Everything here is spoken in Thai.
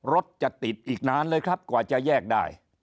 รถจะติดอีกนานเลยครับกว่าจะแยกได้